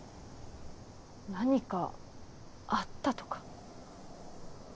何かあったとか？